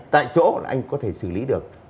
tại chỗ là anh có thể xử lý được